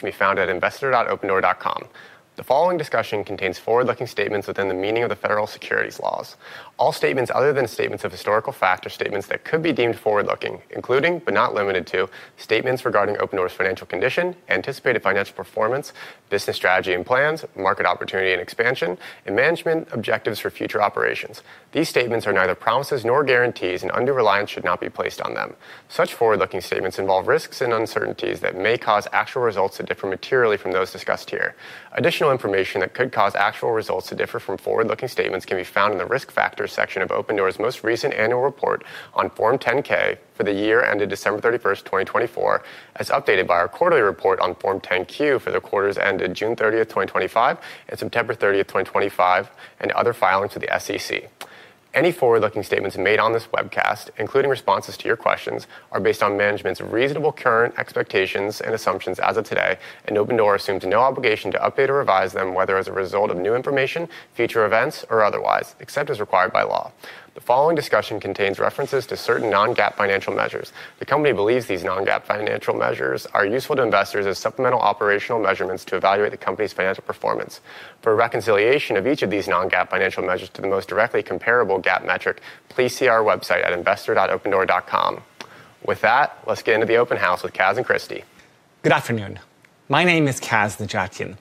Can be found at investor.opendoor.com. The following discussion contains forward-looking statements within the meaning of the federal securities laws. All statements other than statements of historical fact are statements that could be deemed forward-looking, including, but not limited to, statements regarding Opendoor's financial condition, anticipated financial performance, business strategy and plans, market opportunity and expansion, and management objectives for future operations. These statements are neither promises nor guarantees, and undue reliance should not be placed on them. Such forward-looking statements involve risks and uncertainties that may cause actual results to differ materially from those discussed here. Additional information that could cause actual results to differ from forward-looking statements can be found in the risk factors section of Opendoor's most recent annual report on Form 10-K for the year ended December 31, 2024, as updated by our quarterly report on Form 10-Q for the quarters ended June 30, 2025, and September 30, 2025, and other filings to the SEC. Any forward-looking statements made on this webcast, including responses to your questions, are based on management's reasonable current expectations and assumptions as of today, and Opendoor assumes no obligation to update or revise them whether as a result of new information, future events, or otherwise, except as required by law. The following discussion contains references to certain non-GAAP financial measures. The company believes these non-GAAP financial measures are useful to investors as supplemental operational measurements to evaluate the company's financial performance. For a reconciliation of each of these non-GAAP financial measures to the most directly comparable GAAP metric, please see our website at investor.opendoor.com. With that, let's get into the open house with Kaz and Christy. Good afternoon. My name is Kaz Najatin.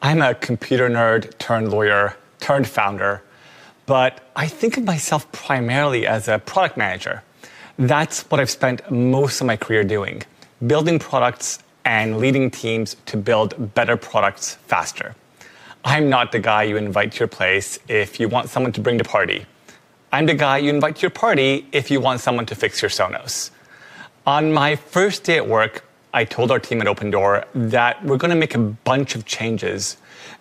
I'm a computer nerd turned lawyer, turned founder, but I think of myself primarily as a product manager. That's what I've spent most of my career doing: building products and leading teams to build better products faster. I'm not the guy you invite to your place if you want someone to bring to party. I'm the guy you invite to your party if you want someone to fix your Sonos. On my first day at work, I told our team at Opendoor that we're going to make a bunch of changes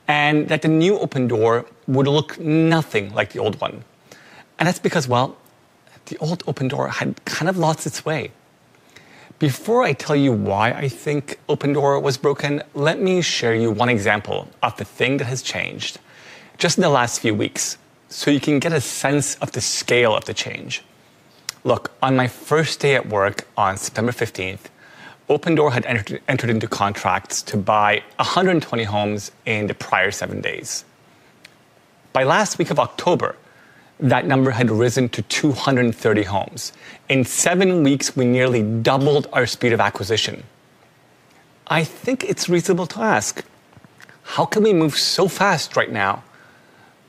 and that the new Opendoor would look nothing like the old one. That's because, well, the old Opendoor had kind of lost its way. Before I tell you why I think Opendoor was broken, let me share you one example of the thing that has changed just in the last few weeks, so you can get a sense of the scale of the change. Look, on my first day at work on September 15, Opendoor had entered into contracts to buy 120 homes in the prior seven days. By last week of October, that number had risen to 230 homes. In seven weeks, we nearly doubled our speed of acquisition. I think it's reasonable to ask, how can we move so fast right now.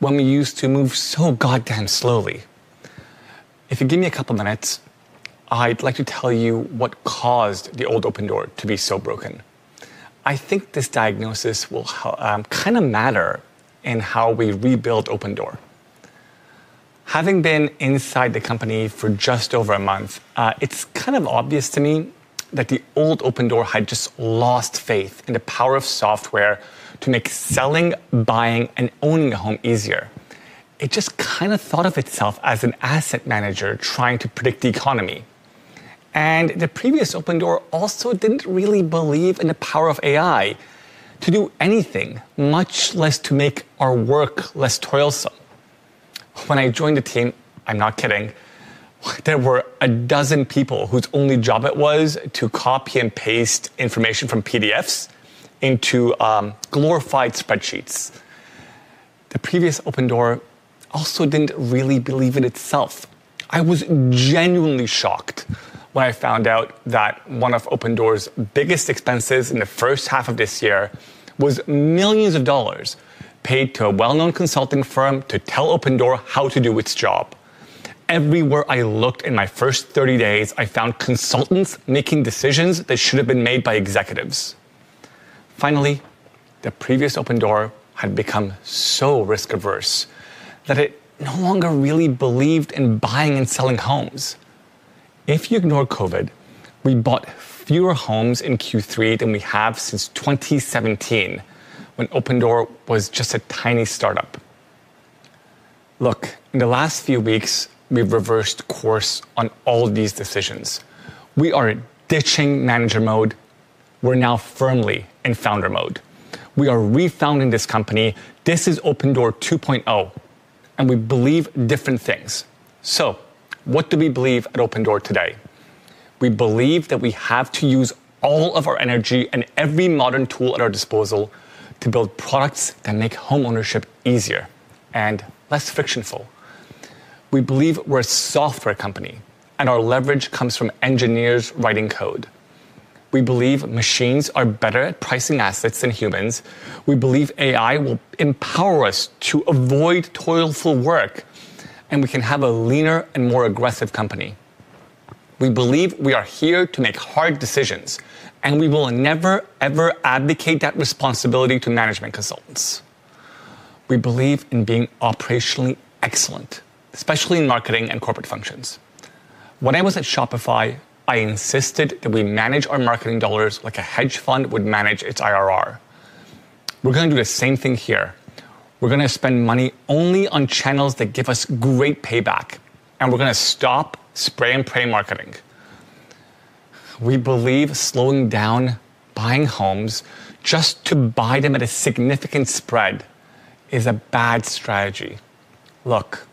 When we used to move so goddamn slowly? If you give me a couple of minutes, I'd like to tell you what caused the old Opendoor to be so broken. I think this diagnosis will kind of matter in how we rebuild Opendoor. Having been inside the company for just over a month, it's kind of obvious to me that the old Opendoor had just lost faith in the power of software to make selling, buying, and owning a home easier. It just kind of thought of itself as an asset manager trying to predict the economy. The previous Opendoor also didn't really believe in the power of AI to do anything, much less to make our work less toilsome. When I joined the team, I'm not kidding. There were a dozen people whose only job it was to copy and paste information from PDFs into glorified spreadsheets. The previous Opendoor also didn't really believe in itself. I was genuinely shocked when I found out that one of Opendoor's biggest expenses in the first half of this year was millions of dollars paid to a well-known consulting firm to tell Opendoor how to do its job. Everywhere I looked in my first 30 days, I found consultants making decisions that should have been made by executives. Finally, the previous Opendoor had become so risk averse that it no longer really believed in buying and selling homes. If you ignore COVID, we bought fewer homes in Q3 than we have since 2017, when Opendoor was just a tiny startup. Look, in the last few weeks, we've reversed course on all these decisions. We are ditching manager mode. We're now firmly in founder mode. We are refounding this company. This is Opendoor 2.0, and we believe different things. So what do we believe at Opendoor today? We believe that we have to use all of our energy and every modern tool at our disposal to build products that make homeownership easier and less frictionful. We believe we're a software company, and our leverage comes from engineers writing code. We believe machines are better at pricing assets than humans. We believe AI will empower us to avoid toilful work, and we can have a leaner and more aggressive company. We believe we are here to make hard decisions, and we will never, ever advocate that responsibility to management consultants. We believe in being operationally excellent, especially in marketing and corporate functions. When I was at Shopify, I insisted that we manage our marketing dollars like a hedge fund would manage its IRR. We're going to do the same thing here. We're going to spend money only on channels that give us great payback, and we're going to stop spray and pray marketing. We believe slowing down buying homes just to buy them at a significant spread is a bad strategy. Look,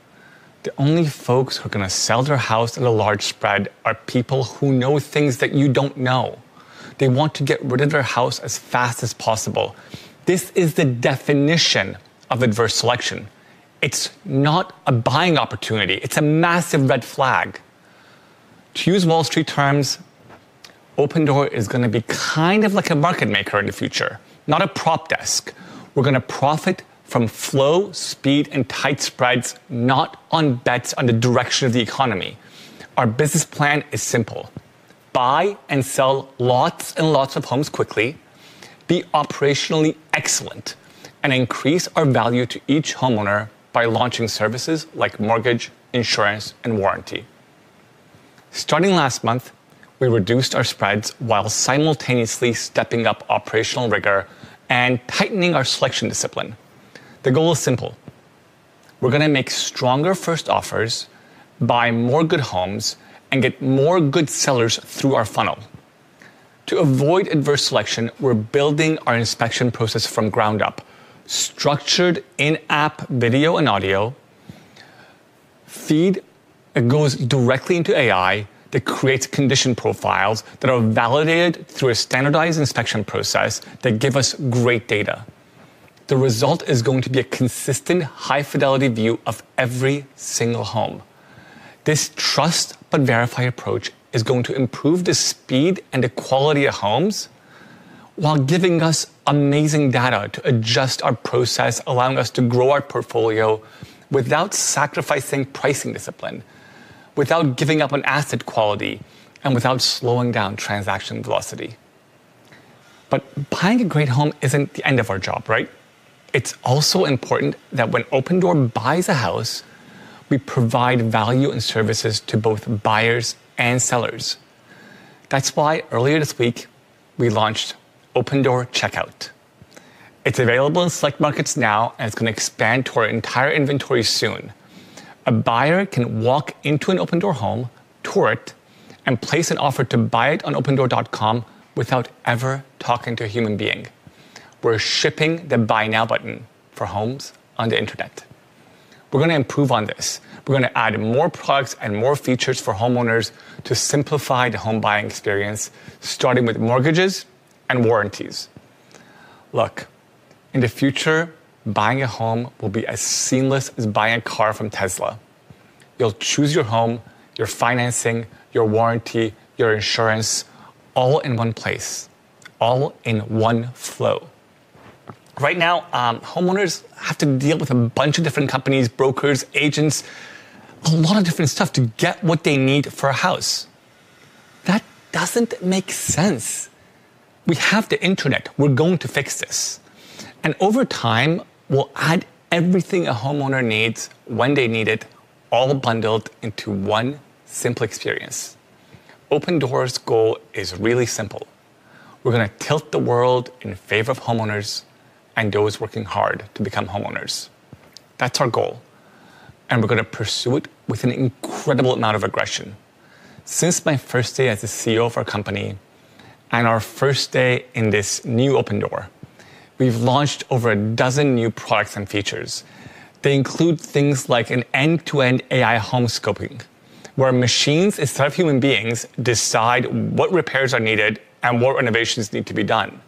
the only folks who are going to sell their house at a large spread are people who know things that you don't know. They want to get rid of their house as fast as possible. This is the definition of adverse selection. It's not a buying opportunity. It's a massive red flag. To use Wall Street terms, Opendoor is going to be kind of like a market maker in the future, not a prop desk. We're going to profit from flow, speed, and tight spreads, not on bets on the direction of the economy. Our business plan is simple. Buy and sell lots and lots of homes quickly, be operationally excellent, and increase our value to each homeowner by launching services like mortgage, insurance, and warranty. Starting last month, we reduced our spreads while simultaneously stepping up operational rigor and tightening our selection discipline. The goal is simple. We're going to make stronger first offers, buy more good homes, and get more good sellers through our funnel. To avoid adverse selection, we're building our inspection process from ground up, structured in-app video and audio. Feed that goes directly into AI that creates condition profiles that are validated through a standardized inspection process that give us great data. The result is going to be a consistent high-fidelity view of every single home. This trust-but-verify approach is going to improve the speed and the quality of homes. While giving us amazing data to adjust our process, allowing us to grow our portfolio without sacrificing pricing discipline, without giving up on asset quality, and without slowing down transaction velocity. Buying a great home isn't the end of our job, right? It's also important that when Opendoor buys a house, we provide value and services to both buyers and sellers. That's why earlier this week, we launched Opendoor Checkout. It's available in select markets now, and it's going to expand to our entire inventory soon. A buyer can walk into an Opendoor home, tour it, and place an offer to buy it on opendoor.com without ever talking to a human being. We're shipping the buy now button for homes on the internet. We're going to improve on this. We're going to add more products and more features for homeowners to simplify the home buying experience, starting with mortgages and warranties. Look, in the future, buying a home will be as seamless as buying a car from Tesla. You'll choose your home, your financing, your warranty, your insurance, all in one place, all in one flow. Right now, homeowners have to deal with a bunch of different companies, brokers, agents, a lot of different stuff to get what they need for a house. That doesn't make sense. We have the internet. We're going to fix this. Over time, we'll add everything a homeowner needs when they need it, all bundled into one simple experience. Opendoor's goal is really simple. We're going to tilt the world in favor of homeowners and those working hard to become homeowners. That's our goal. We're going to pursue it with an incredible amount of aggression. Since my first day as the CEO of our company and our first day in this new Opendoor, we've launched over a dozen new products and features. They include things like an end-to-end AI home scoping, where machines instead of human beings decide what repairs are needed and what renovations need to be done.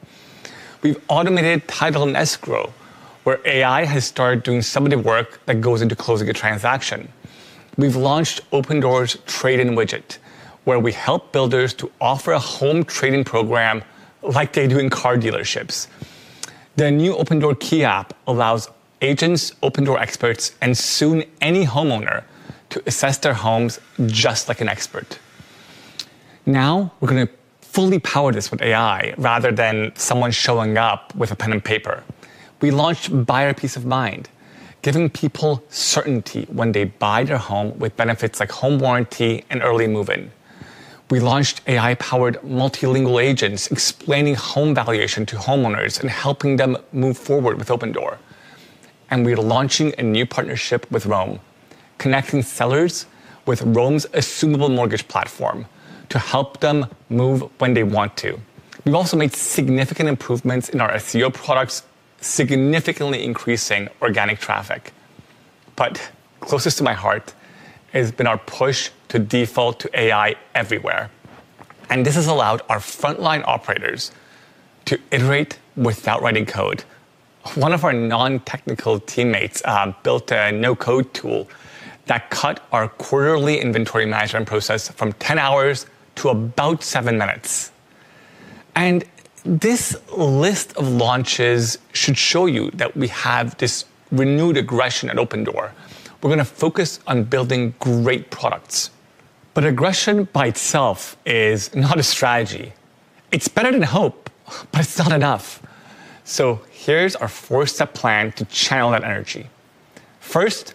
We've automated title and escrow, where AI has started doing some of the work that goes into closing a transaction. We've launched Opendoor's trade-in widget, where we help builders to offer a home trade-in program like they do in car dealerships. The new Opendoor Key app allows agents, Opendoor experts, and soon any homeowner to assess their homes just like an expert. Now we're going to fully power this with AI rather than someone showing up with a pen and paper. We launched Buyer Peace of Mind, giving people certainty when they buy their home with benefits like home warranty and early move-in. We launched AI-powered multilingual agents explaining home valuation to homeowners and helping them move forward with Opendoor. We're launching a new partnership with Rome, connecting sellers with Rome's Assumable Mortgage Platform to help them move when they want to. We've also made significant improvements in our SEO products, significantly increasing organic traffic. Closest to my heart has been our push to default to AI everywhere. This has allowed our frontline operators to iterate without writing code. One of our non-technical teammates built a no-code tool that cut our quarterly inventory management process from 10 hours to about 7 minutes. This list of launches should show you that we have this renewed aggression at Opendoor. We're going to focus on building great products. Aggression by itself is not a strategy. It's better than hope, but it's not enough. Here's our four-step plan to channel that energy. First,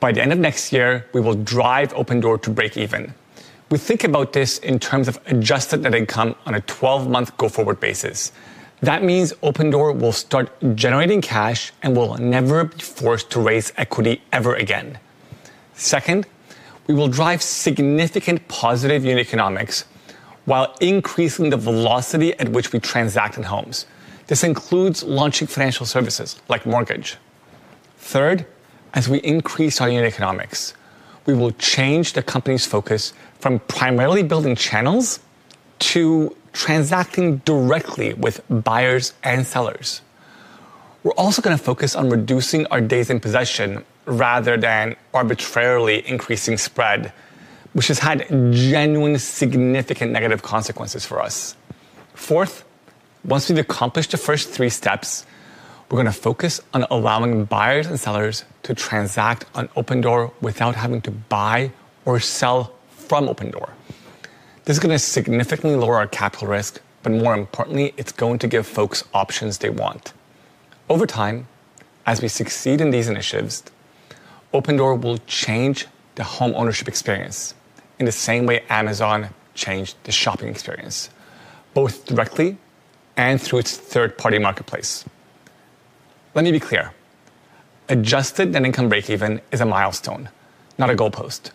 by the end of next year, we will drive Opendoor to break even. We think about this in terms of adjusted net income on a 12-month go-forward basis. That means Opendoor will start generating cash and will never be forced to raise equity ever again. Second, we will drive significant positive unit economics while increasing the velocity at which we transact in homes. This includes launching financial services like mortgage. Third, as we increase our unit economics, we will change the company's focus from primarily building channels to transacting directly with buyers and sellers. We're also going to focus on reducing our days in possession rather than arbitrarily increasing spread, which has had genuine significant negative consequences for us. Fourth, once we've accomplished the first three steps, we're going to focus on allowing buyers and sellers to transact on Opendoor without having to buy or sell from Opendoor. This is going to significantly lower our capital risk, but more importantly, it's going to give folks options they want. Over time, as we succeed in these initiatives, Opendoor will change the homeownership experience in the same way Amazon changed the shopping experience, both directly and through its third-party marketplace. Let me be clear. Adjusted net income breakeven is a milestone, not a goalpost.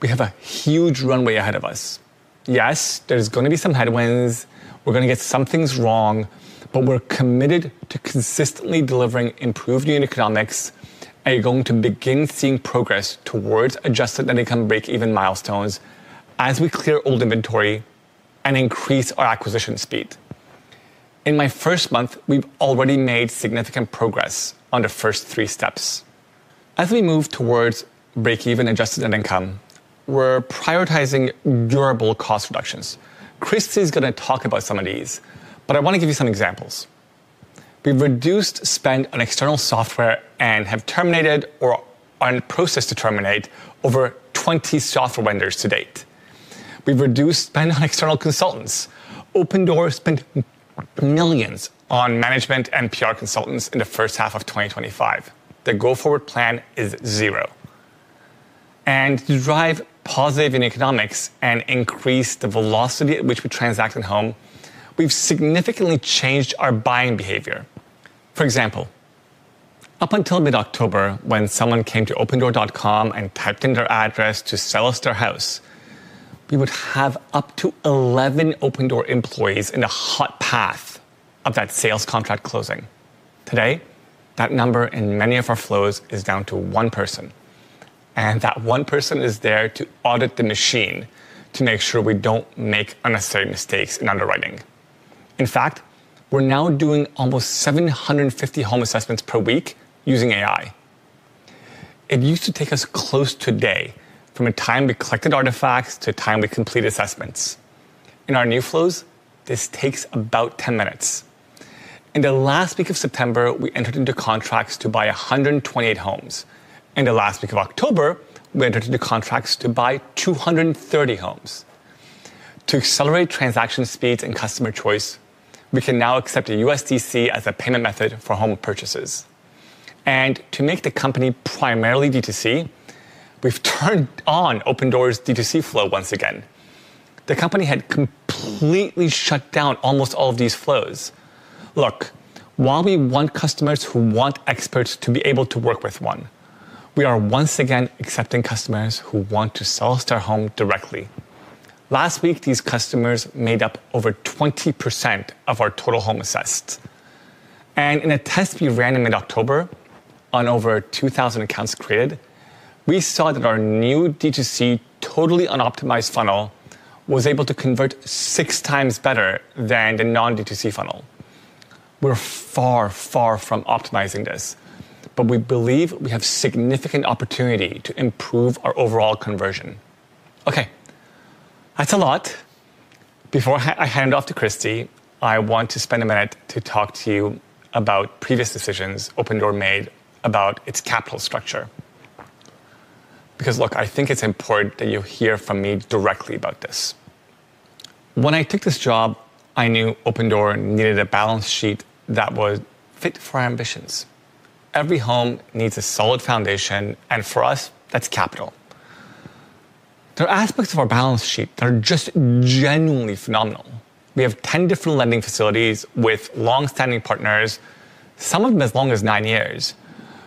We have a huge runway ahead of us. Yes, there's going to be some headwinds. We're going to get some things wrong, but we're committed to consistently delivering improved unit economics, and you're going to begin seeing progress towards adjusted net income breakeven milestones as we clear old inventory and increase our acquisition speed. In my first month, we've already made significant progress on the first three steps. As we move towards breakeven adjusted net income, we're prioritizing durable cost reductions. Christy's going to talk about some of these, but I want to give you some examples. We've reduced spend on external software and have terminated or are in the process of terminating over 20 software vendors to date. We've reduced spend on external consultants. Opendoor spent millions on management and PR consultants in the first half of 2025. The go-forward plan is zero. To drive positive unit economics and increase the velocity at which we transact in home, we've significantly changed our buying behavior. For example, up until mid-October, when someone came to opendoor.com and typed in their address to sell us their house, we would have up to 11 Opendoor employees in the hot path of that sales contract closing. Today, that number in many of our flows is down to one person. That one person is there to audit the machine to make sure we do not make unnecessary mistakes in underwriting. In fact, we are now doing almost 750 home assessments per week using AI. It used to take us close to a day from the time we collected artifacts to the time we completed assessments. In our new flows, this takes about 10 minutes. In the last week of September, we entered into contracts to buy 128 homes. In the last week of October, we entered into contracts to buy 230 homes. To accelerate transaction speeds and customer choice, we can now accept USDC as a payment method for home purchases. To make the company primarily D2C, we have turned on Opendoor's D2C flow once again. The company had completely shut down almost all of these flows. Look, while we want customers who want experts to be able to work with one, we are once again accepting customers who want to sell us their home directly. Last week, these customers made up over 20% of our total home assesseds. In a test we ran in mid-October, on over 2,000 accounts created, we saw that our new D2C totally unoptimized funnel was able to convert six times better than the non-D2C funnel. We're far, far from optimizing this, but we believe we have significant opportunity to improve our overall conversion. Okay. That is a lot. Before I hand it off to Christy, I want to spend a minute to talk to you about previous decisions Opendoor made about its capital structure. Because, look, I think it's important that you hear from me directly about this. When I took this job, I knew Opendoor needed a balance sheet that was fit for our ambitions. Every home needs a solid foundation, and for us, that's capital. There are aspects of our balance sheet that are just genuinely phenomenal. We have 10 different lending facilities with long-standing partners, some of them as long as nine years,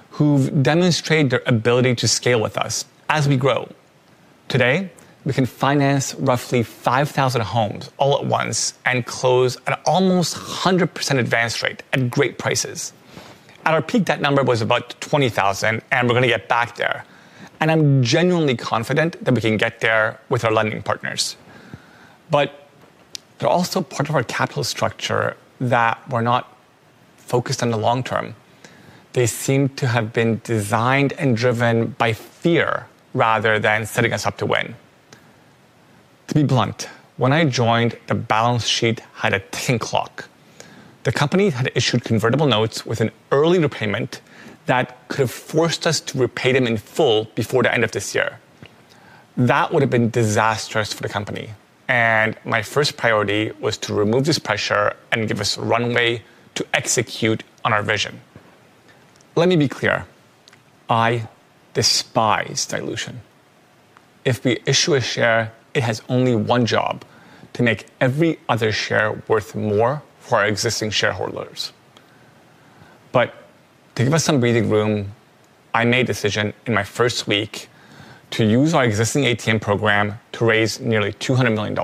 who've demonstrated their ability to scale with us as we grow. Today, we can finance roughly 5,000 homes all at once and close at almost 100% advance rate at great prices. At our peak, that number was about 20,000, and we're going to get back there. I'm genuinely confident that we can get there with our lending partners. There are also parts of our capital structure that were not focused on the long term. They seem to have been designed and driven by fear rather than setting us up to win. To be blunt, when I joined, the balance sheet had a ticking clock. The company had issued convertible notes with an early repayment that could have forced us to repay them in full before the end of this year. That would have been disastrous for the company. My first priority was to remove this pressure and give us a runway to execute on our vision. Let me be clear. I despise dilution. If we issue a share, it has only one job: to make every other share worth more for our existing shareholders. To give us some breathing room, I made a decision in my first week to use our existing ATM program to raise nearly $200 million.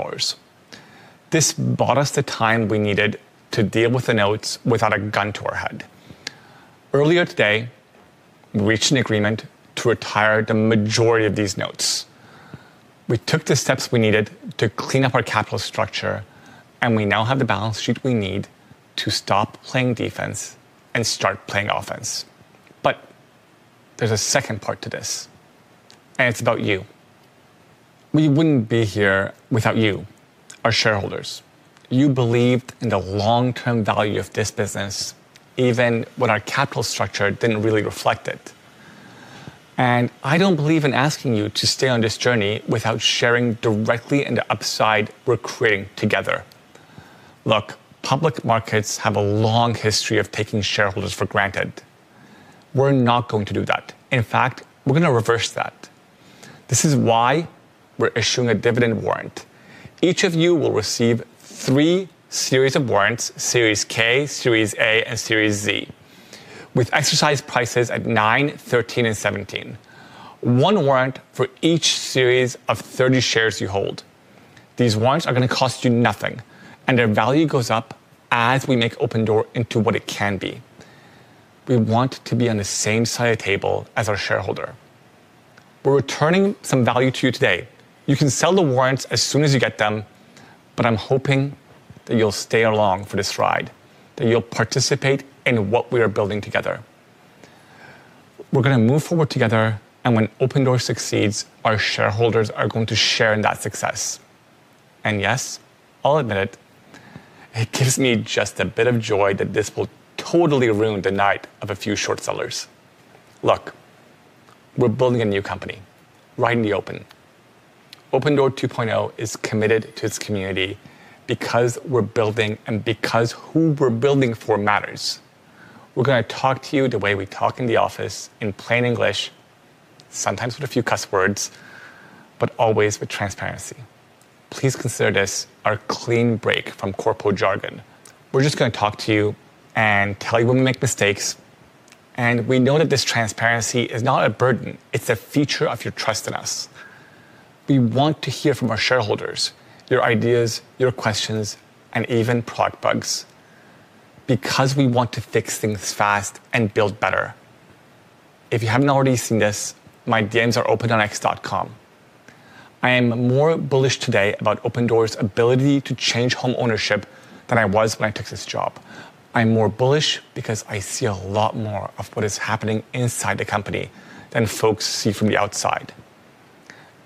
This bought us the time we needed to deal with the notes without a gun to our head. Earlier today. We reached an agreement to retire the majority of these notes. We took the steps we needed to clean up our capital structure, and we now have the balance sheet we need to stop playing defense and start playing offense. There is a second part to this, and it is about you. We would not be here without you, our shareholders. You believed in the long-term value of this business, even when our capital structure did not really reflect it. I do not believe in asking you to stay on this journey without sharing directly in the upside we are creating together. Look, public markets have a long history of taking shareholders for granted. We are not going to do that. In fact, we are going to reverse that. This is why we are issuing a dividend warrant. Each of you will receive three series of warrants: Series K, Series A, and Series Z, with exercise prices at $9, $13, and $17. One warrant for each series of 30 shares you hold. These warrants are going to cost you nothing, and their value goes up as we make Opendoor into what it can be. We want to be on the same side of the table as our shareholder. We are returning some value to you today. You can sell the warrants as soon as you get them, but I'm hoping that you'll stay along for this ride, that you'll participate in what we are building together. We are going to move forward together, and when Opendoor succeeds, our shareholders are going to share in that success. Yes, I'll admit it. It gives me just a bit of joy that this will totally ruin the night of a few short sellers. Look. We're building a new company right in the open. Opendoor 2.0 is committed to its community because we're building and because who we're building for matters. We're going to talk to you the way we talk in the office in plain English. Sometimes with a few cuss words, but always with transparency. Please consider this our clean break from corporate jargon. We're just going to talk to you and tell you when we make mistakes. We know that this transparency is not a burden. It's a feature of your trust in us. We want to hear from our shareholders, your ideas, your questions, and even product bugs. Because we want to fix things fast and build better. If you haven't already seen this, my DMs are opendoorx.com. I am more bullish today about Opendoor's ability to change home ownership than I was when I took this job. I'm more bullish because I see a lot more of what is happening inside the company than folks see from the outside.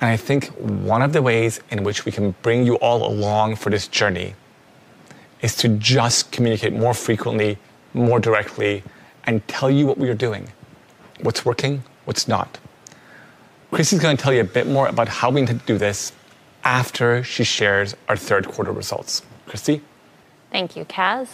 I think one of the ways in which we can bring you all along for this journey is to just communicate more frequently, more directly, and tell you what we are doing, what's working, what's not. Christy's going to tell you a bit more about how we intend to do this after she shares our third quarter results. Christy? Thank you, Kaz.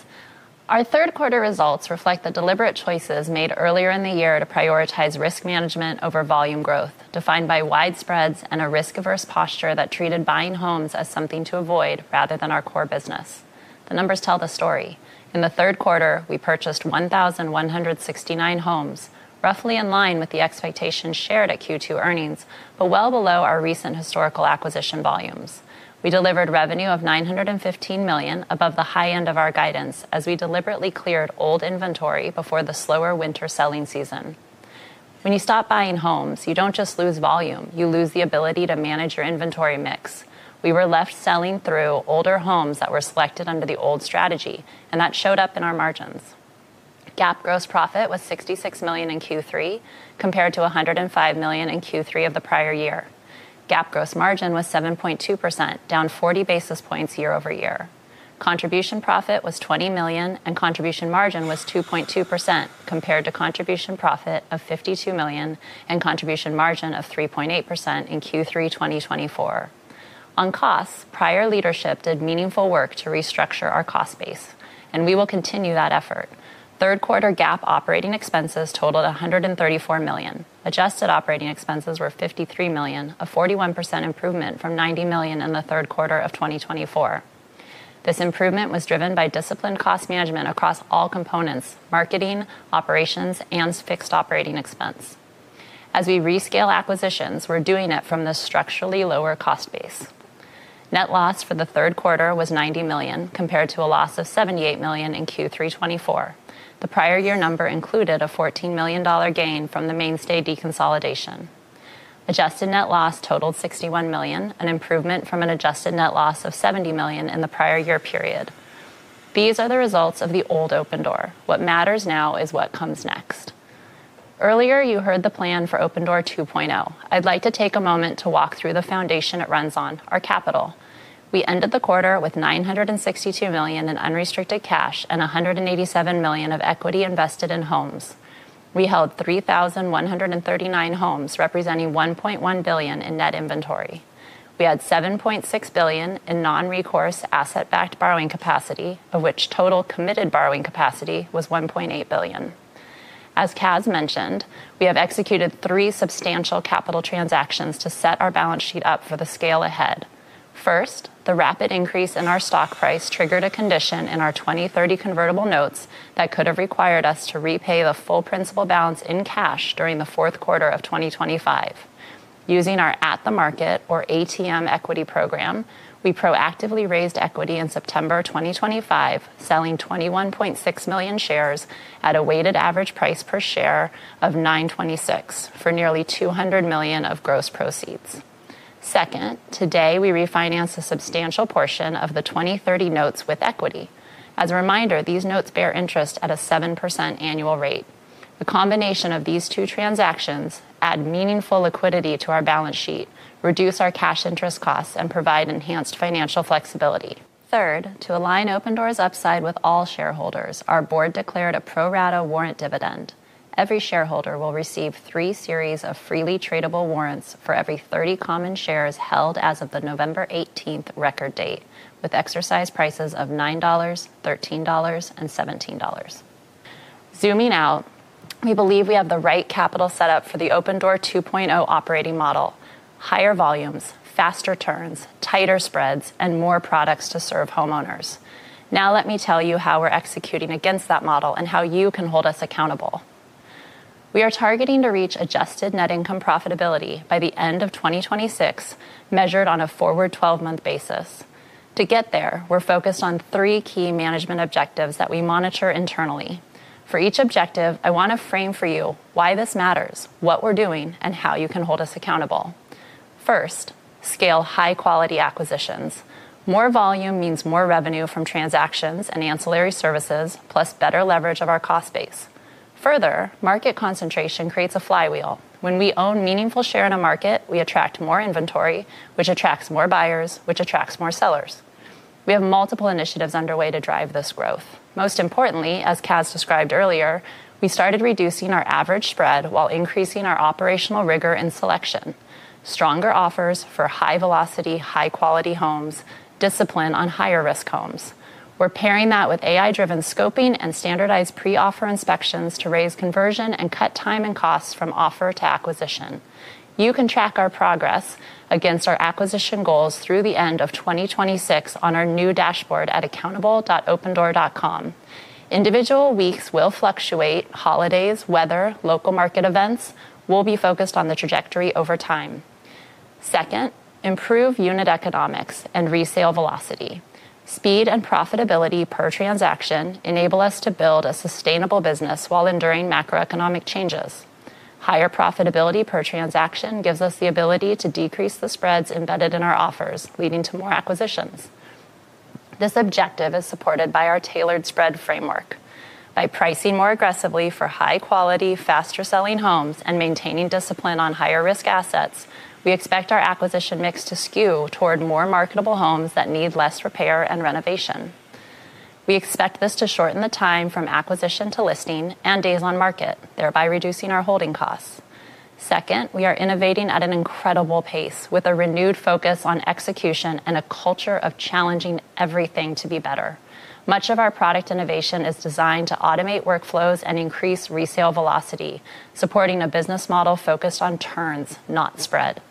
Our third quarter results reflect the deliberate choices made earlier in the year to prioritize risk management over volume growth, defined by wide spreads and a risk-averse posture that treated buying homes as something to avoid rather than our core business. The numbers tell the story. In the third quarter, we purchased 1,169 homes, roughly in line with the expectations shared at Q2 earnings, but well below our recent historical acquisition volumes. We delivered revenue of $915 million above the high end of our guidance as we deliberately cleared old inventory before the slower winter selling season. When you stop buying homes, you do not just lose volume; you lose the ability to manage your inventory mix. We were left selling through older homes that were selected under the old strategy, and that showed up in our margins. GAAP gross profit was $66 million in Q3, compared to $105 million in Q3 of the prior year. GAAP gross margin was 7.2%, down 40 basis points year over year. Contribution profit was $20 million, and contribution margin was 2.2%, compared to contribution profit of $52 million and contribution margin of 3.8% in Q3 2022. On costs, prior leadership did meaningful work to restructure our cost base, and we will continue that effort. Third quarter GAAP operating expenses totaled $134 million. Adjusted operating expenses were $53 million, a 41% improvement from $90 million in the third quarter of 2024. This improvement was driven by disciplined cost management across all components: marketing, operations, and fixed operating expense. As we rescale acquisitions, we're doing it from the structurally lower cost base. Net loss for the third quarter was $90 million, compared to a loss of $78 million in Q3 2024. The prior year number included a $14 million gain from the Mainstay deconsolidation. Adjusted net loss totaled $61 million, an improvement from an adjusted net loss of $70 million in the prior year period. These are the results of the old Opendoor. What matters now is what comes next. Earlier, you heard the plan for Opendoor 2.0. I'd like to take a moment to walk through the foundation it runs on, our capital. We ended the quarter with $962 million in unrestricted cash and $187 million of equity invested in homes. We held 3,139 homes, representing $1.1 billion in net inventory. We had $7.6 billion in non-recourse asset-backed borrowing capacity, of which total committed borrowing capacity was $1.8 billion. As Kaz mentioned, we have executed three substantial capital transactions to set our balance sheet up for the scale ahead. First, the rapid increase in our stock price triggered a condition in our 2030 convertible notes that could have required us to repay the full principal balance in cash during the fourth quarter of 2025. Using our At the Market, or ATM Equity Program, we proactively raised equity in September 2025, selling 21.6 million shares at a weighted average price per share of $926 for nearly $200 million of gross proceeds. Second, today we refinanced a substantial portion of the 2030 notes with equity. As a reminder, these notes bear interest at a 7% annual rate. The combination of these two transactions adds meaningful liquidity to our balance sheet, reduces our cash interest costs, and provides enhanced financial flexibility. Third, to align Opendoor's upside with all shareholders, our board declared a pro rata warrant dividend. Every shareholder will receive three series of freely tradable warrants for every 30 common shares held as of the November 18 record date, with exercise prices of $9, $13, and $17. Zooming out, we believe we have the right capital setup for the Opendoor 2.0 operating model: higher volumes, faster turns, tighter spreads, and more products to serve homeowners. Now let me tell you how we're executing against that model and how you can hold us accountable. We are targeting to reach adjusted net income profitability by the end of 2026, measured on a forward 12-month basis. To get there, we're focused on three key management objectives that we monitor internally. For each objective, I want to frame for you why this matters, what we're doing, and how you can hold us accountable. First, scale high-quality acquisitions. More volume means more revenue from transactions and ancillary services, plus better leverage of our cost base. Further, market concentration creates a flywheel. When we own a meaningful share in a market, we attract more inventory, which attracts more buyers, which attracts more sellers. We have multiple initiatives underway to drive this growth. Most importantly, as Kaz described earlier, we started reducing our average spread while increasing our operational rigor and selection: stronger offers for high-velocity, high-quality homes, discipline on higher-risk homes. We're pairing that with AI-driven scoping and standardized pre-offer inspections to raise conversion and cut time and costs from offer to acquisition. You can track our progress against our acquisition goals through the end of 2026 on our new dashboard at accountable.opendoor.com. Individual weeks will fluctuate. Holidays, weather, local market events will be focused on the trajectory over time. Second, improve unit economics and resale velocity. Speed and profitability per transaction enable us to build a sustainable business while enduring macroeconomic changes. Higher profitability per transaction gives us the ability to decrease the spreads embedded in our offers, leading to more acquisitions. This objective is supported by our tailored spread framework. By pricing more aggressively for high-quality, faster-selling homes and maintaining discipline on higher-risk assets, we expect our acquisition mix to skew toward more marketable homes that need less repair and renovation. We expect this to shorten the time from acquisition to listing and days on market, thereby reducing our holding costs. Second, we are innovating at an incredible pace with a renewed focus on execution and a culture of challenging everything to be better. Much of our product innovation is designed to automate workflows and increase resale velocity, supporting a business model focused on turns, not spread.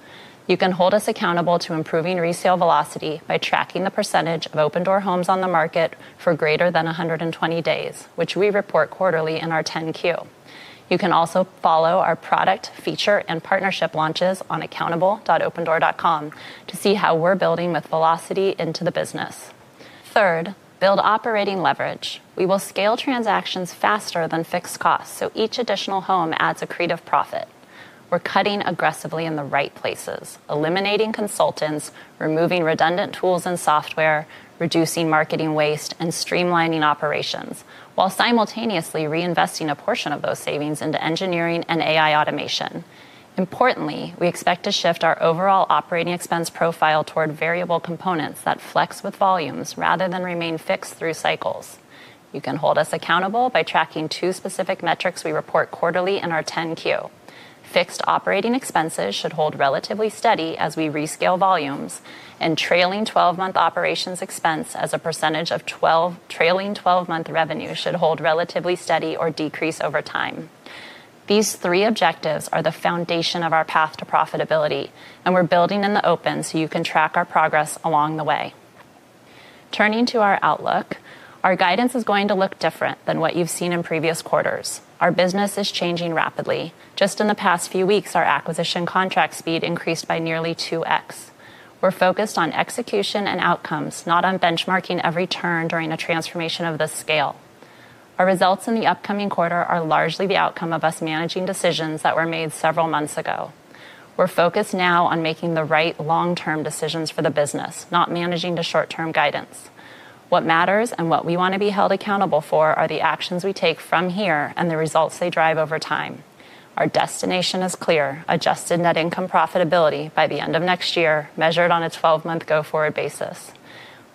You can hold us accountable to improving resale velocity by tracking the percentage of Opendoor homes on the market for greater than 120 days, which we report quarterly in our 10-Q. You can also follow our product, feature, and partnership launches on accountable.opendoor.com to see how we're building with velocity into the business. Third, build operating leverage. We will scale transactions faster than fixed costs, so each additional home adds accretive profit. We're cutting aggressively in the right places, eliminating consultants, removing redundant tools and software, reducing marketing waste, and streamlining operations, while simultaneously reinvesting a portion of those savings into engineering and AI automation. Importantly, we expect to shift our overall operating expense profile toward variable components that flex with volumes rather than remain fixed through cycles. You can hold us accountable by tracking two specific metrics we report quarterly in our 10-Q. Fixed operating expenses should hold relatively steady as we rescale volumes, and trailing 12-month operations expense as a percentage of trailing 12-month revenue should hold relatively steady or decrease over time. These three objectives are the foundation of our path to profitability, and we're building in the open so you can track our progress along the way. Turning to our outlook, our guidance is going to look different than what you've seen in previous quarters. Our business is changing rapidly. Just in the past few weeks, our acquisition contract speed increased by nearly 2x. We're focused on execution and outcomes, not on benchmarking every turn during a transformation of this scale. Our results in the upcoming quarter are largely the outcome of us managing decisions that were made several months ago. We're focused now on making the right long-term decisions for the business, not managing to short-term guidance. What matters and what we want to be held accountable for are the actions we take from here and the results they drive over time. Our destination is clear: adjusted net income profitability by the end of next year, measured on a 12-month go-forward basis.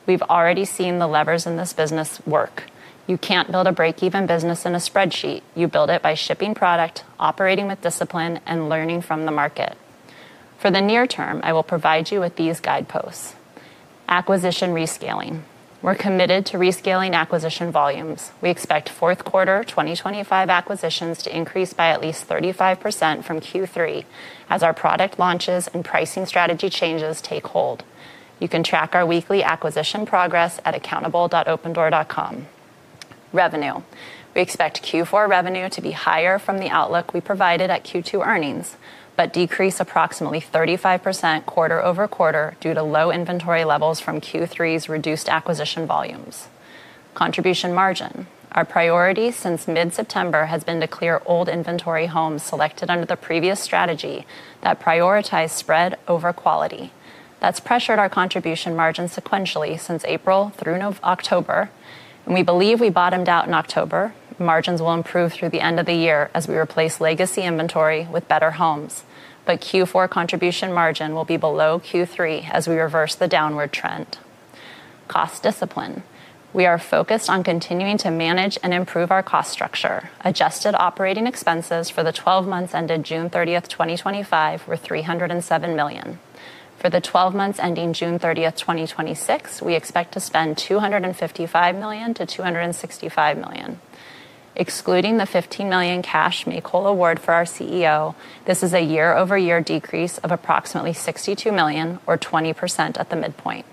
We've already seen the levers in this business work. You can't build a break-even business in a spreadsheet. You build it by shipping product, operating with discipline, and learning from the market. For the near term, I will provide you with these guideposts. Acquisition rescaling. We're committed to rescaling acquisition volumes. We expect fourth quarter 2025 acquisitions to increase by at least 35% from Q3 as our product launches and pricing strategy changes take hold. You can track our weekly acquisition progress at accountable.opendoor.com. Revenue. We expect Q4 revenue to be higher from the outlook we provided at Q2 earnings, but decrease approximately 35% quarter over quarter due to low inventory levels from Q3's reduced acquisition volumes. Contribution margin. Our priority since mid-September has been to clear old inventory homes selected under the previous strategy that prioritized spread over quality. That's pressured our contribution margin sequentially since April through October, and we believe we bottomed out in October. Margins will improve through the end of the year as we replace legacy inventory with better homes, but Q4 contribution margin will be below Q3 as we reverse the downward trend. Cost discipline. We are focused on continuing to manage and improve our cost structure. Adjusted operating expenses for the 12 months ended June 30, 2025, were $307 million. For the 12 months ending June 30, 2026, we expect to spend $255 million-$265 million. Excluding the $15 million cash Makoel Award for our CEO, this is a year-over-year decrease of approximately $62 million, or 20% at the midpoint.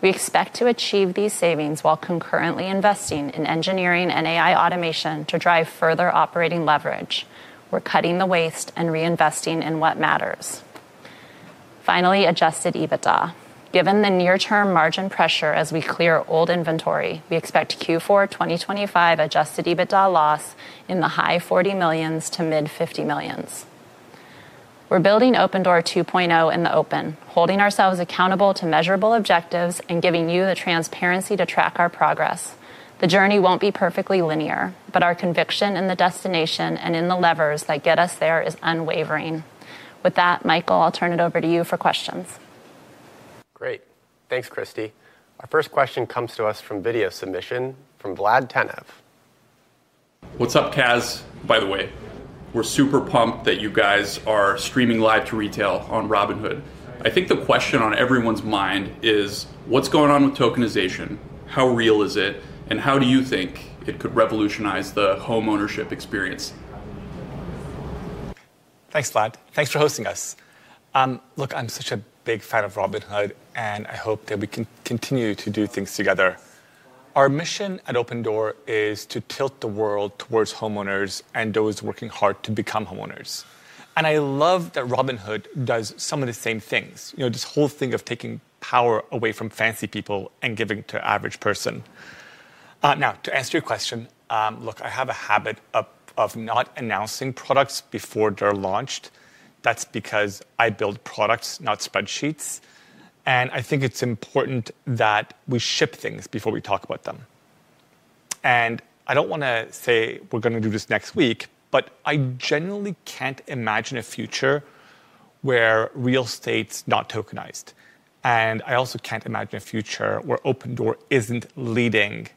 We expect to achieve these savings while concurrently investing in engineering and AI automation to drive further operating leverage. We're cutting the waste and reinvesting in what matters. Finally, adjusted EBITDA. Given the near-term margin pressure as we clear old inventory, we expect Q4 2025 adjusted EBITDA loss in the high $40 million-$50 million range. We're building Opendoor 2.0 in the open, holding ourselves accountable to measurable objectives and giving you the transparency to track our progress. The journey won't be perfectly linear, but our conviction in the destination and in the levers that get us there is unwavering. With that, Michael, I'll turn it over to you for questions. Great. Thanks, Christy. Our first question comes to us from video submission from Vlad Tenev. What's up, Kaz? By the way, we're super pumped that you guys are streaming live to retail on Robinhood. I think the question on everyone's mind is, what's going on with tokenization? How real is it? And how do you think it could revolutionize the homeownership experience? Thanks, Vlad. Thanks for hosting us. Look, I'm such a big fan of Robinhood, and I hope that we can continue to do things together. Our mission at Opendoor is to tilt the world towards homeowners and those working hard to become homeowners. I love that Robinhood does some of the same things, you know, this whole thing of taking power away from fancy people and giving it to the average person. Now, to answer your question, look, I have a habit of not announcing products before they're launched. That's because I build products, not spreadsheets. I think it's important that we ship things before we talk about them. I don't want to say we're going to do this next week, but I generally can't imagine a future where real estate's not tokenized. I also can't imagine a future where Opendoor isn't leading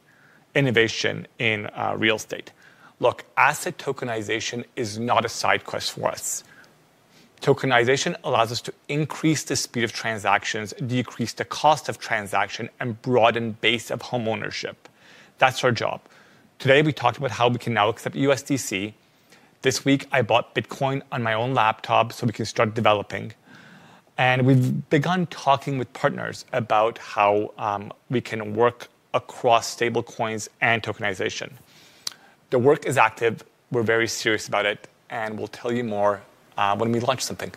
innovation in real estate. Look, asset tokenization is not a side quest for us. Tokenization allows us to increase the speed of transactions, decrease the cost of transaction, and broaden the base of homeownership. That's our job. Today, we talked about how we can now accept USDC. This week, I bought Bitcoin on my own laptop so we can start developing. And we've begun talking with partners about how we can work across stablecoins and tokenization. The work is active. We're very serious about it, and we'll tell you more when we launch something.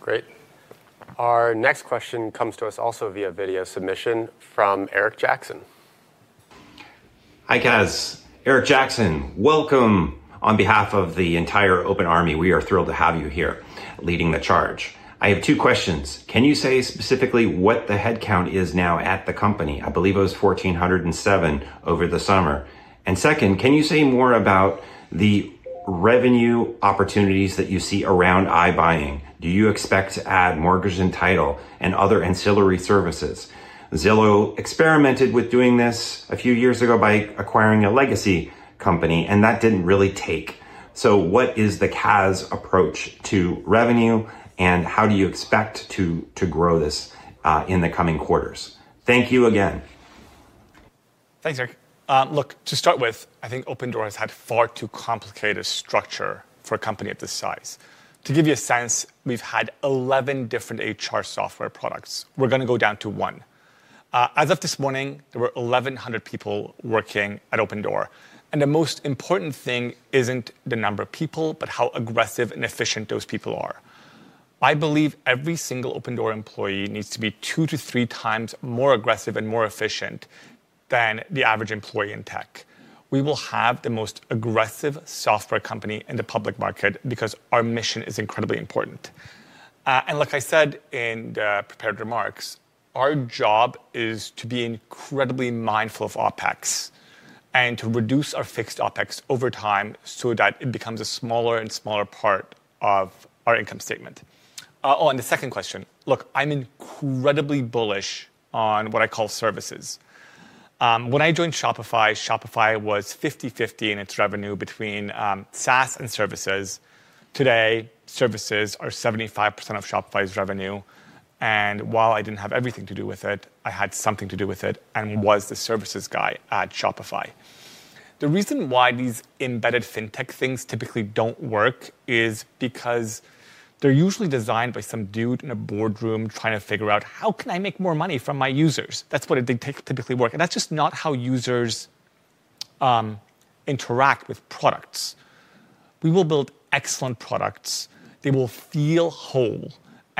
Great. Our next question comes to us also via video submission from Eric Jackson. Hi, Kaz. Eric Jackson, welcome. On behalf of the entire Open Army, we are thrilled to have you here leading the charge. I have two questions. Can you say specifically what the headcount is now at the company? I believe it was 1,407 over the summer. Second, can you say more about the revenue opportunities that you see around iBuying? Do you expect to add mortgage entitlement and other ancillary services? Zillow experimented with doing this a few years ago by acquiring a legacy company, and that did not really take. What is the Kaz approach to revenue, and how do you expect to grow this in the coming quarters? Thank you again. Thanks, Eric. Look, to start with, I think Opendoor has had far too complicated structure for a company at this size. To give you a sense, we have had 11 different HR software products. We are going to go down to one. As of this morning, there were 1,100 people working at Opendoor. The most important thing is not the number of people, but how aggressive and efficient those people are. I believe every single Opendoor employee needs to be two to three times more aggressive and more efficient than the average employee in tech. We will have the most aggressive software company in the public market because our mission is incredibly important. Like I said in the prepared remarks, our job is to be incredibly mindful of OpEx and to reduce our fixed OpEx over time so that it becomes a smaller and smaller part of our income statement. Oh, and the second question. Look, I'm incredibly bullish on what I call services. When I joined Shopify, Shopify was 50/50 in its revenue between SaaS and services. Today, services are 75% of Shopify's revenue. While I did not have everything to do with it, I had something to do with it and was the services guy at Shopify. The reason why these embedded fintech things typically do not work is because they are usually designed by some dude in a boardroom trying to figure out, how can I make more money from my users? That is what it typically works. That is just not how users interact with products. We will build excellent products. They will feel whole.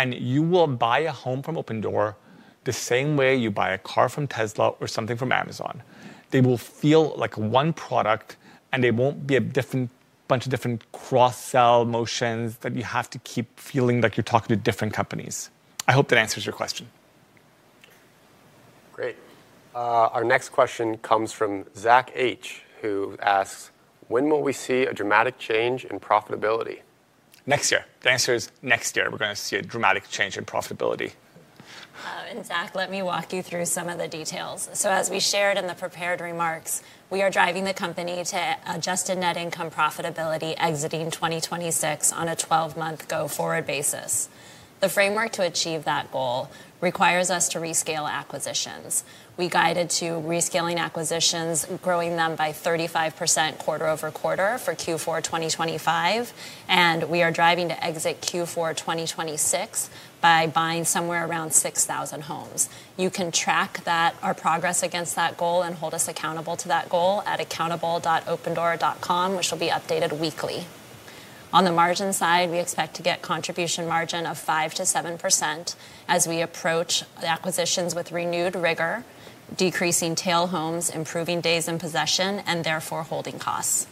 You will buy a home from Opendoor the same way you buy a car from Tesla or something from Amazon. They will feel like one product, and they will not be a different bunch of different cross-sell motions that you have to keep feeling like you are talking to different companies. I hope that answers your question. Great. Our next question comes from Zach H, who asks, when will we see a dramatic change in profitability? Next year. The answer is next year. We are going to see a dramatic change in profitability. Zach, let me walk you through some of the details. As we shared in the prepared remarks, we are driving the company to adjusted net income profitability exiting 2026 on a 12-month go-forward basis. The framework to achieve that goal requires us to rescale acquisitions. We guided to rescaling acquisitions, growing them by 35% quarter over quarter for Q4 2025. We are driving to exit Q4 2026 by buying somewhere around 6,000 homes. You can track our progress against that goal and hold us accountable to that goal at accountable.opendoor.com, which will be updated weekly. On the margin side, we expect to get a contribution margin of 5%-7% as we approach the acquisitions with renewed rigor, decreasing tail homes, improving days in possession, and therefore holding costs.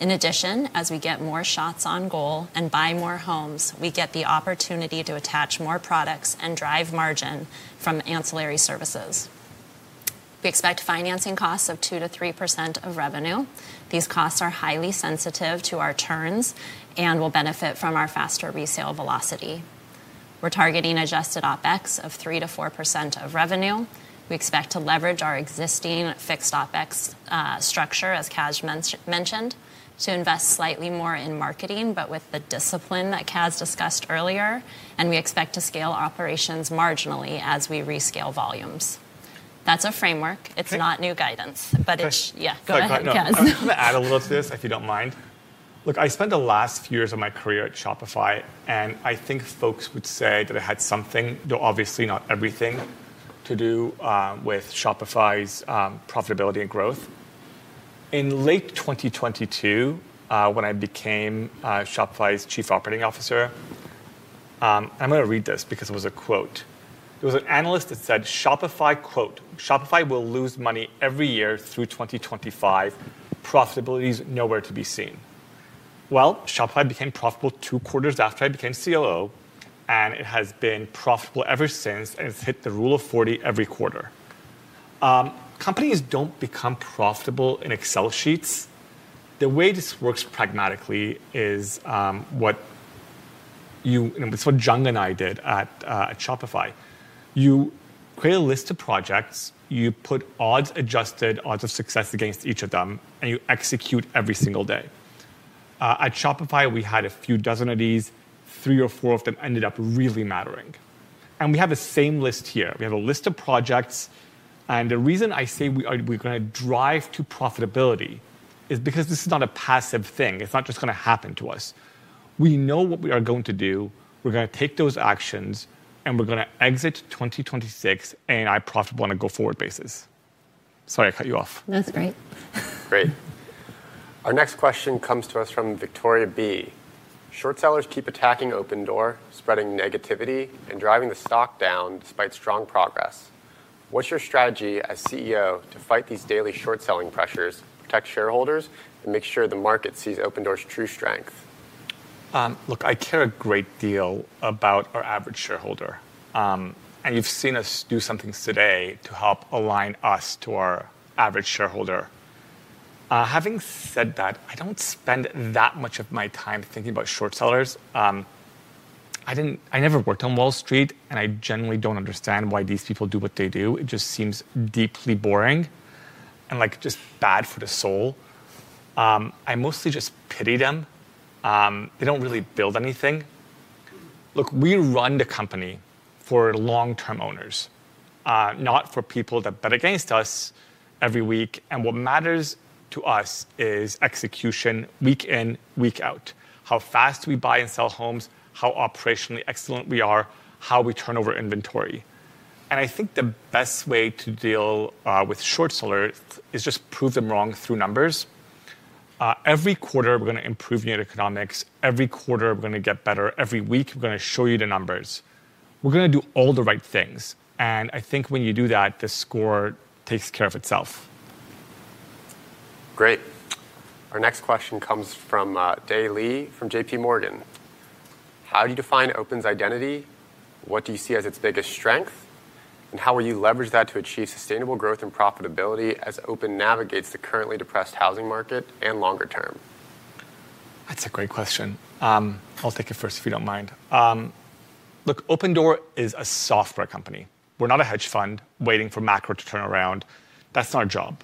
In addition, as we get more shots on goal and buy more homes, we get the opportunity to attach more products and drive margin from ancillary services. We expect financing costs of 2%-3% of revenue. These costs are highly sensitive to our turns and will benefit from our faster resale velocity. We're targeting adjusted OpEx of 3%-4% of revenue. We expect to leverage our existing fixed OpEx structure, as Kaz mentioned, to invest slightly more in marketing, but with the discipline that Kaz discussed earlier. We expect to scale operations marginally as we rescale volumes. That's a framework. It's not new guidance, but it's—yeah, go ahead, Kaz. I'm going to add a little to this, if you don't mind. Look, I spent the last few years of my career at Shopify, and I think folks would say that I had something, though obviously not everything, to do with Shopify's profitability and growth. In late 2022, when I became Shopify's Chief Operating Officer. I'm going to read this because it was a quote. There was an analyst that said, "Shopify will lose money every year through 2025. Profitability is nowhere to be seen." Shopify became profitable two quarters after I became COO, and it has been profitable ever since, and it's hit the rule of 40 every quarter. Companies don't become profitable in Excel sheets. The way this works pragmatically is what. You—and it's what Jung and I did at Shopify. You create a list of projects, you put odds adjusted, odds of success against each of them, and you execute every single day. At Shopify, we had a few dozen of these. Three or four of them ended up really mattering. We have the same list here. We have a list of projects. The reason I say we're going to drive to profitability is because this is not a passive thing. It's not just going to happen to us. We know what we are going to do. We're going to take those actions, and we're going to exit 2026 in a profitable and a go-forward basis. Sorry, I cut you off. That's great. Great. Our next question comes to us from Victoria B. Short sellers keep attacking Opendoor, spreading negativity and driving the stock down despite strong progress. What's your strategy as CEO to fight these daily short selling pressures, protect shareholders, and make sure the market sees Opendoor's true strength? Look, I care a great deal about our average shareholder. You have seen us do some things today to help align us to our average shareholder. Having said that, I do not spend that much of my time thinking about short sellers. I never worked on Wall Street, and I generally do not understand why these people do what they do. It just seems deeply boring and just bad for the soul. I mostly just pity them. They do not really build anything. Look, we run the company for long-term owners, not for people that bet against us every week. What matters to us is execution week in, week out, how fast we buy and sell homes, how operationally excellent we are, how we turn over inventory. I think the best way to deal with short sellers is just prove them wrong through numbers. Every quarter, we are going to improve your economics. Every quarter, we are going to get better. Every week, we're going to show you the numbers. We're going to do all the right things. I think when you do that, the score takes care of itself. Great. Our next question comes from Day Lee from JPMorgan. How do you define Opendoor's identity? What do you see as its biggest strength? How will you leverage that to achieve sustainable growth and profitability as Opendoor navigates the currently depressed housing market and longer term? That's a great question. I'll take it first, if you don't mind. Look, Opendoor is a software company. We're not a hedge fund waiting for macro to turn around. That's not our job.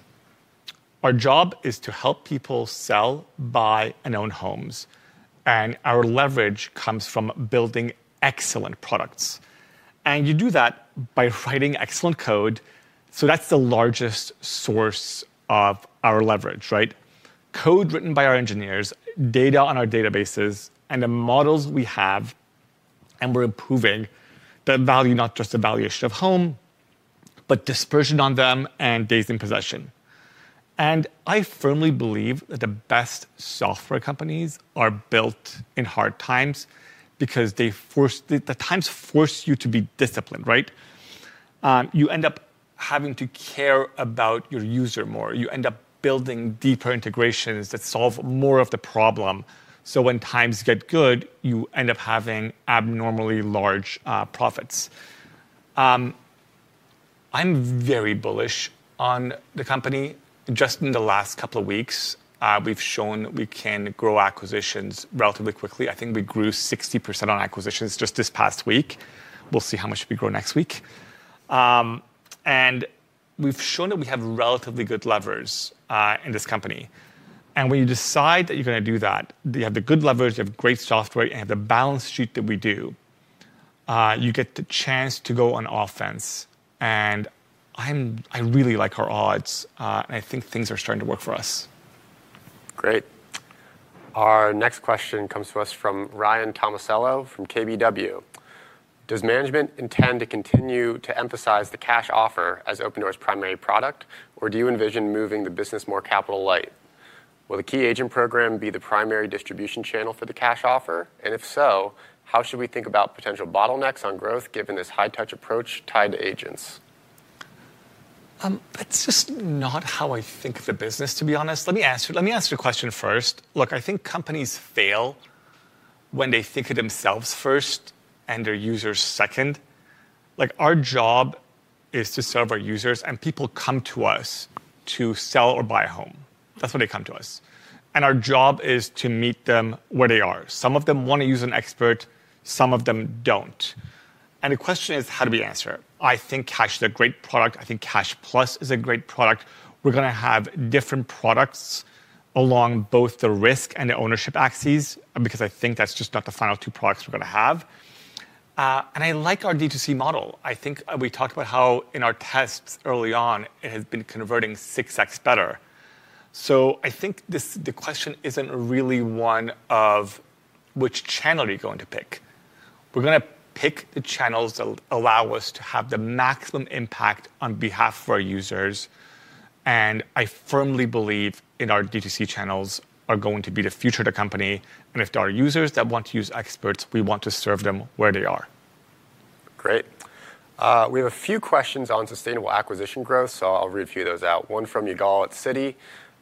Our job is to help people sell, buy, and own homes. Our leverage comes from building excellent products. You do that by writing excellent code. That's the largest source of our leverage, right? Code written by our engineers, data on our databases, and the models we have. We are improving the value, not just the valuation of a home, but dispersion on them and days in possession. I firmly believe that the best software companies are built in hard times because the times force you to be disciplined, right? You end up having to care about your user more. You end up building deeper integrations that solve more of the problem. When times get good, you end up having abnormally large profits. I am very bullish on the company. Just in the last couple of weeks, we have shown we can grow acquisitions relatively quickly. I think we grew 60% on acquisitions just this past week. We will see how much we grow next week. We have shown that we have relatively good levers in this company. When you decide that you're going to do that, you have the good levers, you have great software, and you have the balance sheet that we do. You get the chance to go on offense. I really like our odds. I think things are starting to work for us. Great. Our next question comes to us from Ryan Tomasello from KBW. Does management intend to continue to emphasize the cash offer as Opendoor's primary product, or do you envision moving the business more capital light? Will the key agent program be the primary distribution channel for the cash offer? If so, how should we think about potential bottlenecks on growth given this high-touch approach tied to agents? That's just not how I think of the business, to be honest. Let me ask you a question first. Look, I think companies fail. When they think of themselves first and their users second. Our job is to serve our users. People come to us to sell or buy a home. That's why they come to us. Our job is to meet them where they are. Some of them want to use an expert. Some of them don't. The question is, how do we answer it? I think cash is a great product. I think Cash Plus is a great product. We're going to have different products along both the risk and the ownership axes because I think that's just not the final two products we're going to have. I like our D2C model. I think we talked about how in our tests early on, it has been converting 6X better. I think the question isn't really one of which channel are you going to pick. We're going to pick the channels that allow us to have the maximum impact on behalf of our users. I firmly believe our D2C channels are going to be the future of the company. If there are users that want to use experts, we want to serve them where they are. Great. We have a few questions on sustainable acquisition growth, so I'll read a few of those out. One from Ygal at Citigroup,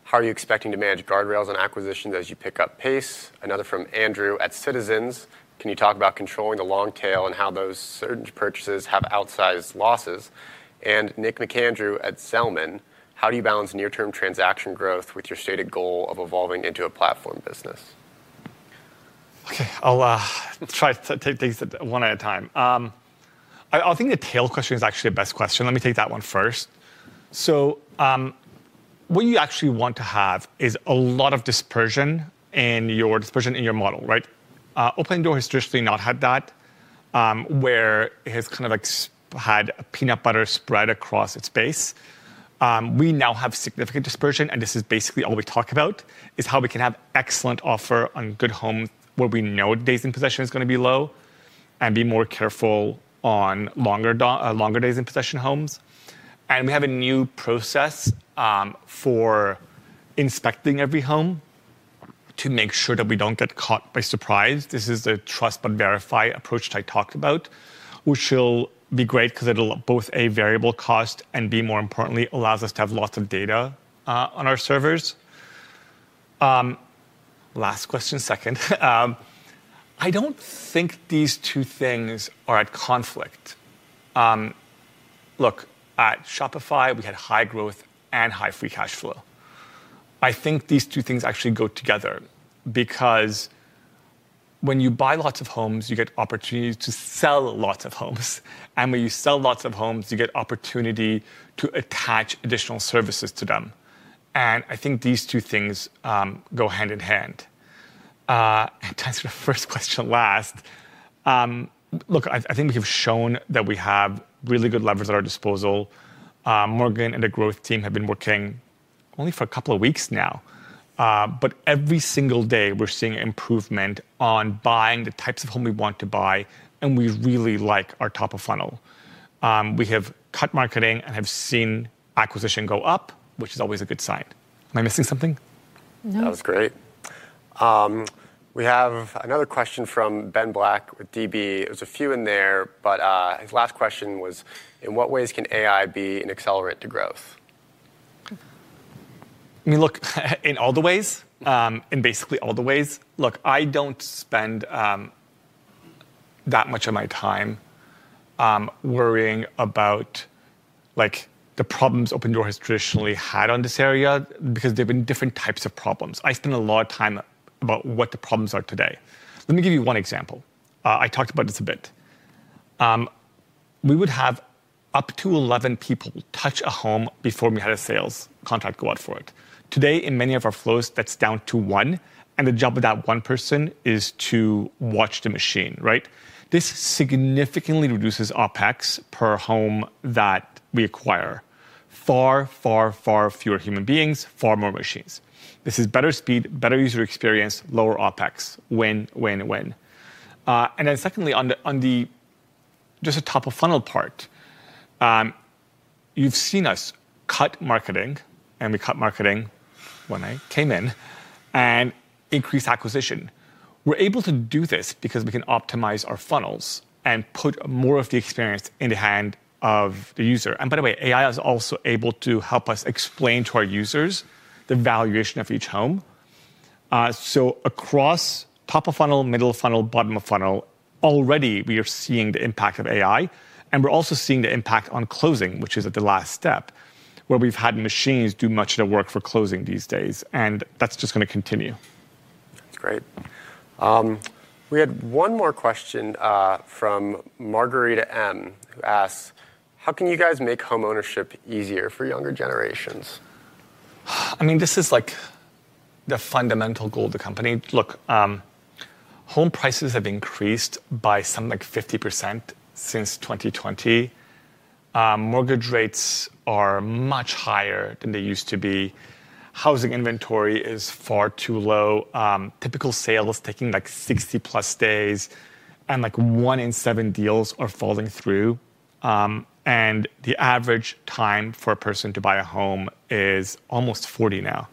how are you expecting to manage guardrails and acquisitions as you pick up pace? Another from Andrew Low at Citizens, can you talk about controlling the long tail and how those certain purchases have outsized losses? Nick McAndrew at Salomon, how do you balance near-term transaction growth with your stated goal of evolving into a platform business? Okay, I'll try to take things one at a time. I think the tail question is actually the best question. Let me take that one first. What you actually want to have is a lot of dispersion in your model, right? Opendoor has traditionally not had that, where it has kind of had peanut butter spread across its base. We now have significant dispersion, and this is basically all we talk about, is how we can have excellent offer on good homes where we know days in possession is going to be low and be more careful on longer days in possession homes. We have a new process for inspecting every home to make sure that we don't get caught by surprise. This is the trust but verify approach that I talked about, which will be great because it'll both a variable cost and, more importantly, allows us to have lots of data on our servers. Last question, second. I do not think these two things are at conflict. Look, at Shopify, we had high growth and high free cash flow. I think these two things actually go together because when you buy lots of homes, you get opportunities to sell lots of homes. When you sell lots of homes, you get opportunity to attach additional services to them. I think these two things go hand in hand. To answer the first question last, look, I think we have shown that we have really good levers at our disposal. Morgan and the growth team have been working only for a couple of weeks now. Every single day, we are seeing improvement on buying the types of homes we want to buy. We really like our top of funnel. We have cut marketing and have seen acquisition go up, which is always a good sign. Am I missing something? No. That was great. We have another question from Ben Black with DB. There's a few in there, but his last question was, in what ways can AI be an accelerant to growth? I mean, look, in all the ways, in basically all the ways. Look, I don't spend that much of my time worrying about the problems Opendoor has traditionally had on this area because there have been different types of problems. I spend a lot of time about what the problems are today. Let me give you one example. I talked about this a bit. We would have up to 11 people touch a home before we had a sales contract go out for it. Today, in many of our flows, that's down to one. The job of that one person is to watch the machine, right? This significantly reduces OpEx per home that we acquire. Far, far, far fewer human beings, far more machines. This is better speed, better user experience, lower OpEx, win, win, win. Secondly, on just the top of funnel part. You have seen us cut marketing, and we cut marketing when I came in, and increase acquisition. We are able to do this because we can optimize our funnels and put more of the experience in the hand of the user. By the way, AI is also able to help us explain to our users the valuation of each home. Across top of funnel, middle of funnel, bottom of funnel, already we are seeing the impact of AI. We're also seeing the impact on closing, which is at the last step, where we've had machines do much of the work for closing these days. That's just going to continue. That's great. We had one more question from Margarita M, who asks, how can you guys make homeownership easier for younger generations? I mean, this is like the fundamental goal of the company. Look. Home prices have increased by something like 50% since 2020. Mortgage rates are much higher than they used to be. Housing inventory is far too low. Typical sale is taking like 60-plus days. Like one in seven deals are falling through. The average time for a person to buy a home is almost 40 now.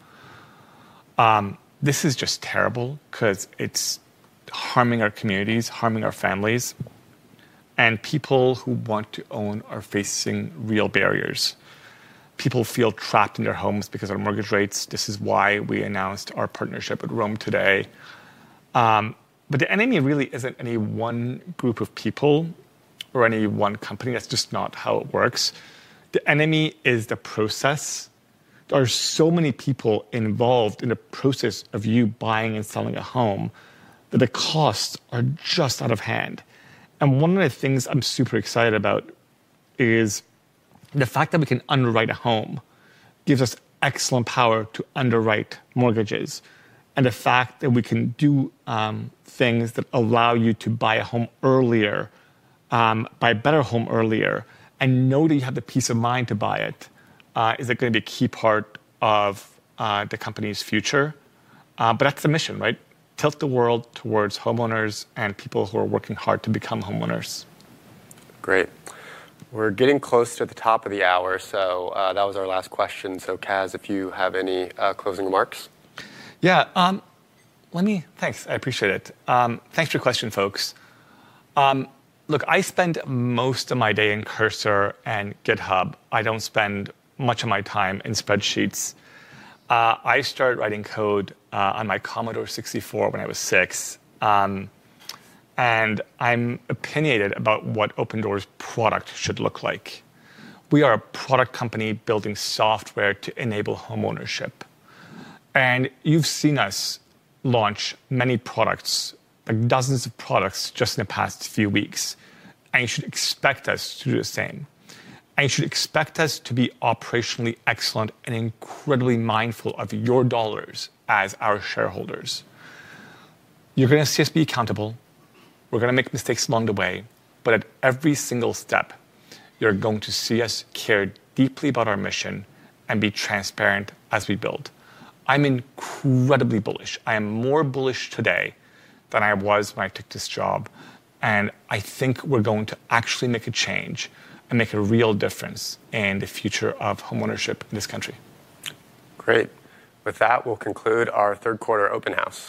This is just terrible because it's harming our communities, harming our families. People who want to own are facing real barriers. People feel trapped in their homes because of mortgage rates. This is why we announced our partnership with Rome today. The enemy really is not any one group of people or any one company. That is just not how it works. The enemy is the process. There are so many people involved in the process of you buying and selling a home that the costs are just out of hand. One of the things I am super excited about is the fact that we can underwrite a home gives us excellent power to underwrite mortgages. The fact that we can do things that allow you to buy a home earlier, buy a better home earlier, and know that you have the peace of mind to buy it is going to be a key part of the company's future. That is the mission, right? Tilts the world towards homeowners and people who are working hard to become homeowners. Great. We're getting close to the top of the hour. That was our last question. Kaz, if you have any closing remarks. Yeah. Thanks. I appreciate it. Thanks for your question, folks. Look, I spend most of my day in Cursor and GitHub. I don't spend much of my time in spreadsheets. I started writing code on my Commodore 64 when I was six. I'm opinionated about what Opendoor's product should look like. We are a product company building software to enable homeownership. You've seen us launch many products, like dozens of products, just in the past few weeks. You should expect us to do the same. You should expect us to be operationally excellent and incredibly mindful of your dollars as our shareholders. You're going to see us be accountable. We're going to make mistakes along the way. At every single step, you're going to see us care deeply about our mission and be transparent as we build. I'm incredibly bullish. I am more bullish today than I was when I took this job. I think we're going to actually make a change and make a real difference in the future of homeownership in this country. Great. With that, we'll conclude our third quarter open house.